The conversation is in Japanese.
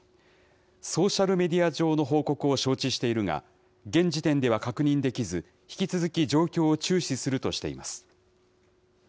ソーシャルメディア上の報告を承知しているが、現時点では確認できず、引き続き状況を注視するとしています。